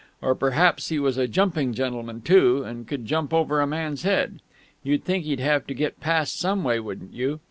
but perhaps he was a jumping gentleman too, and could jump over a man's head. You'd think he'd have to get past some way, wouldn't you?...